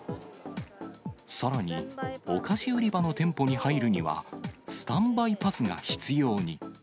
さらにお菓子売り場の店舗に入るには、スタンバイパスが必要に。